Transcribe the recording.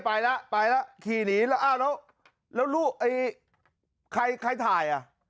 ไปแล้วไปแล้วขี่หนีแล้วอ้าวแล้วแล้วลูกไอ้ใครใครถ่ายอ่ะ